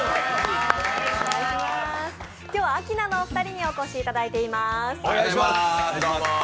今日はアキナのお二人にお越しいただいています。